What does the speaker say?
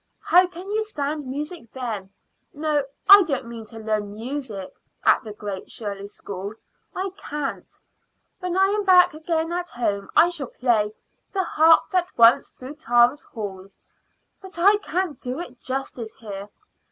How can you stand music then? No, I don't mean to learn music at the Great Shirley School; I can't. When I am back again at home I shall play 'The Harp that once through Tara's Halls,' but I can't do it justice here.